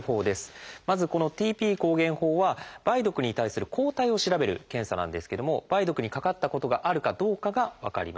まずこのＴＰ抗原法は梅毒に対する抗体を調べる検査なんですけども梅毒にかかったことがあるかどうかが分かります。